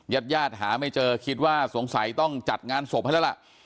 ญาติญาติหาไม่เจอคิดว่าสงสัยต้องจัดงานศพให้แล้วล่ะ